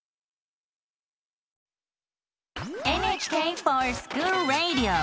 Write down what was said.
「ＮＨＫｆｏｒＳｃｈｏｏｌＲａｄｉｏ」！